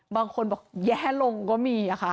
บางคนแย้ลงก็มีอะค่ะ